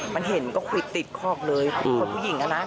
มันเห็นก็ควิดติดคอกเลยคนผู้หญิงนะ